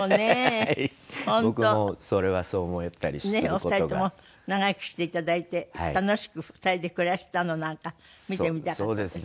お二人とも長生きしていただいて楽しく２人で暮らしたのなんか見てみたかった。